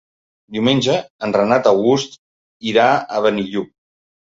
Diumenge en Renat August irà a Benillup.